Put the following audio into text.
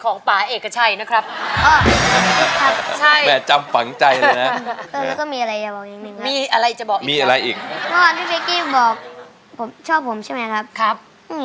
ขอฟังสักนิดหนึ่งได้ไหมครับ